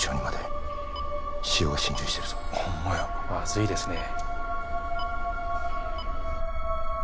まずいですね。